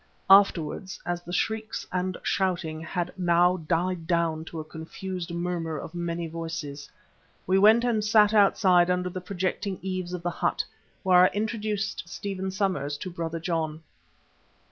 Afterwards, as the shrieks and shouting had now died down to a confused murmur of many voices, we went and sat outside under the projecting eaves of the hut, where I introduced Stephen Somers to Brother John.